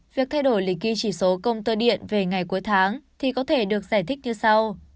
việc thay đổi lịch ghi chỉ số công tơ điện về ngày cuối tháng thì có thể được giải thích như sau